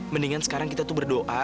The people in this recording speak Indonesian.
mendingan sekarang kita tuh berdoa